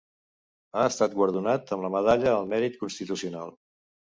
Ha estat guardonat amb la Medalla al Mèrit Constitucional.